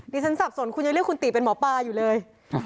ดิฉันสับสนคุณยังเลือกคุณตีเป็นหมอป้าอยู่เลย